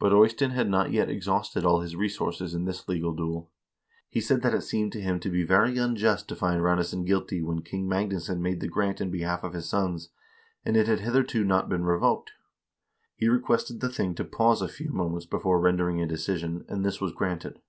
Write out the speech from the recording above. But Eystein had not yet exhausted all his resources in this legal duel. He said that it seemed to him to be very unjust to find Ranesson guilty when King Magnus had made the grant in behalf of his sons, and it had hitherto not been revoked. He requested the thing to pause a few moments before rendering a decision, and this was granted.